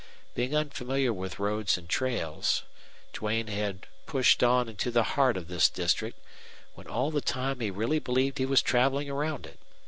Being unfamiliar with roads and trails, Duane had pushed on into the heart of this district, when all the time he really believed he was traveling around it.